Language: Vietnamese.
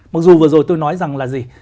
mặc dù vừa rồi tôi nói rằng là gì